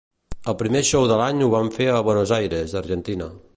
El primer show de l'any ho van fer a Buenos Aires, Argentina.